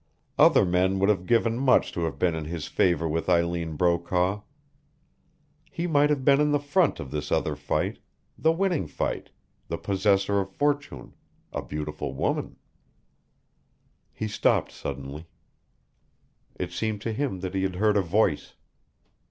Other men would have given much to have been in his favor with Eileen Brokaw. He might have been in the front of this other fight, the winning fight, the possessor of fortune, a beautiful woman He stopped suddenly. It seemed to him that he had heard a voice.